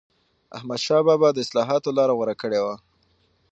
احمدشاه بابا د اصلاحاتو لاره غوره کړې وه.